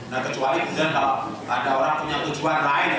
nah kecuali kemudian kalau ada orang punya tujuan lain